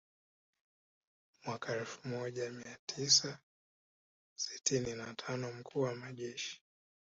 Mwaka elfu moja mia tisa sitini na tano mkuu wa jeshi